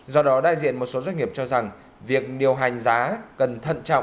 do đó đại diện một số doanh nghiệp cho rằng việc điều hành giá cần thận trọng